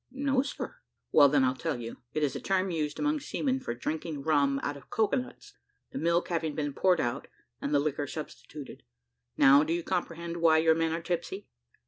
"No, sir." "Well, then, I'll tell you; it is a term used, among seamen for drinking rum out of cocoa nuts, the milk having been poured out, and the liquor substituted. Now do you comprehend why your men are tipsy?"